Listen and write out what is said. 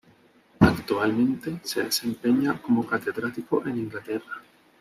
Actualmente, se desempeña como catedrático en Inglaterra.